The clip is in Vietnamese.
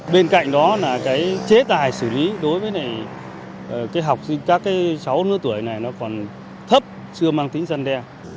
bên cạnh đó là cái chế tài xử lý đối với cái học sinh các cái cháu lứa tuổi này nó còn thấp chưa mang tính dân đe